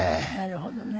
なるほどね。